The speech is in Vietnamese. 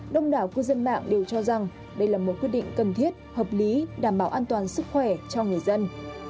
đông đảo cư dân mạng đều cho rằng đây là một quyết định cần thiết hợp lý đảm bảo an toàn sức khỏe cho người dân